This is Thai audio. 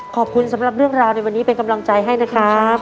ขอบคุณสำหรับเรื่องราวในวันนี้เป็นกำลังใจให้นะครับ